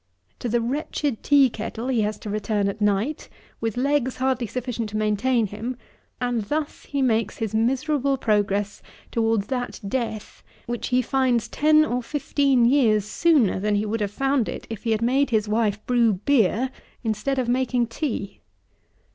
To the wretched tea kettle he has to return at night, with legs hardly sufficient to maintain him; and thus he makes his miserable progress towards that death, which he finds ten or fifteen years sooner than he would have found it had he made his wife brew beer instead of making tea.